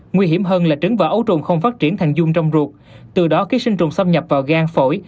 nguy hiểm hơn là trứng và ấu trùng không phát triển thành dung trong ruột từ đó ký sinh trùng xâm nhập vào gan phổi